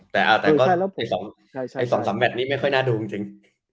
แต่ก็ใน๒๓แมทนี้ไม่ค่อยน่าดูจริง